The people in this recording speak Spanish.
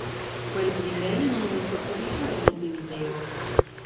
Fue el primer monumento público de Montevideo.